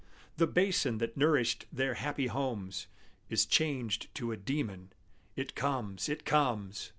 The basin that nourished their happy homes Is changed to a demon. It comes! it comes!